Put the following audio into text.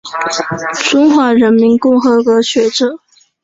中华人民共和国学者。